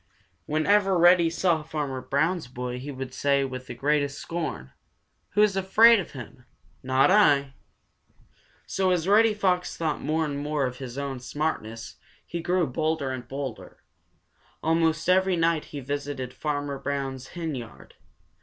Whenever Reddy saw Farmer Brown's boy he would say with the greatest scorn: "Who's afraid of him? Not I!" So as Reddy Fox thought more and more of his own smartness, he grew bolder and bolder. Almost every night he visited Farmer Brown's henyard.